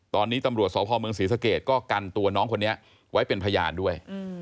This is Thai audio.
ตอนนี้ตำรวจสพเมืองศรีสะเกดก็กันตัวน้องคนนี้ไว้เป็นพยานด้วย